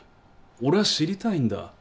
俺は知りたいんだ。